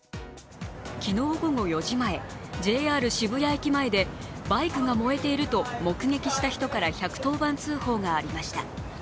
昨日午後４時前、ＪＲ渋谷駅前でバイクが燃えていると目撃した人から１１０番通報がありました。